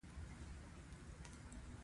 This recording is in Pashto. بي خونده ونې پاتي شوې، خلک يو بل خوا ور څخه